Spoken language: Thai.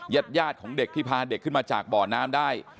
ญาติของเด็กที่พาเด็กขึ้นมาจากบ่อน้ำได้